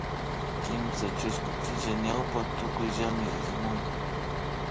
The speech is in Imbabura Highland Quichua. Kimsa chusku killa ñawpa tukuyllami ismun